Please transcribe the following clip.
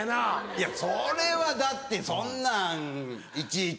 いやそれはだってそんなんいちいち。